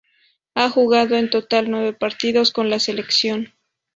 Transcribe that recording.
Ha jugado en total nueve partidos con la selección.